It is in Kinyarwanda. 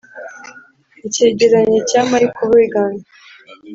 icyegeranyo cya michael hourigan